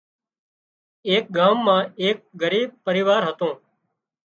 ايڪ ڳام مان ايڪ ڳريب پريوار هتُون